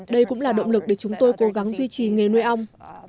đây cũng là động lực để chúng tôi cố gắng duy trì nghề nuôi ong